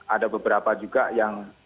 ada beberapa juga yang